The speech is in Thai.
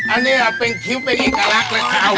อะนี่อะคิ้วเป็นอิกอลักเลยค่ะ